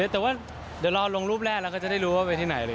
แต่ว่าเดี๋ยวรอลงรูปแรกแล้วก็จะได้รู้ว่าไปที่ไหน